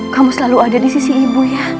kamu selalu ada disisi ibu ya